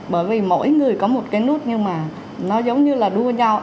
bởi vì mỗi người có một cái nút nhưng mà nó giống như là đua nhau